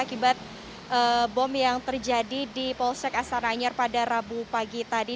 akibat bom yang terjadi di polsek astana anyar pada rabu pagi tadi